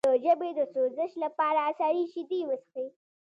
د ژبې د سوزش لپاره سړې شیدې وڅښئ